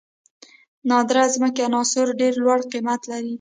نادره ځمکنۍ عناصر ډیر لوړ قیمت لري.